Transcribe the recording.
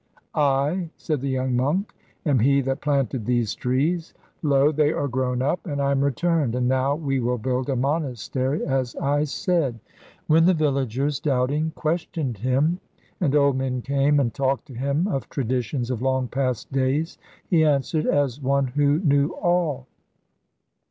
'I,' said the young monk, 'am he that planted these trees. Lo, they are grown up, and I am returned, and now we will build a monastery as I said.' When the villagers, doubting, questioned him, and old men came and talked to him of traditions of long past days, he answered as one who knew all.